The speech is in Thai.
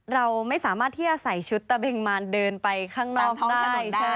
เราไม่สามารถที่จะใส่ชุดตะเบงมานเดินไปข้างนอกได้